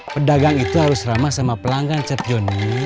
pedagang itu harus ramah sama pelanggan cap joni